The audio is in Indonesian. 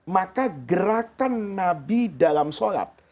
maka gerakan nabi dalam sholat